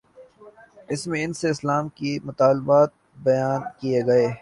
اس میں ان سے اسلام کے مطالبات بیان کیے گئے ہیں۔